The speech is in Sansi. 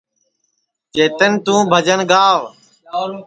چیتن توں بھجن گاو